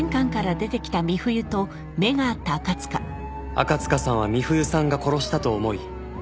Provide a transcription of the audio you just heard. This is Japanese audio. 赤塚さんは美冬さんが殺したと思い